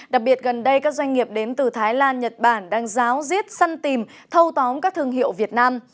đặc biệt gần đây các doanh nghiệp đến từ thái lan nhật bản đang giáo diết săn tìm thâu tóm các thương hiệu việt nam